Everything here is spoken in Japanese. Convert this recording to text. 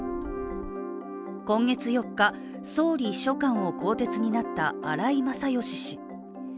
今月４日、総理秘書官を更迭になった荒井勝喜氏。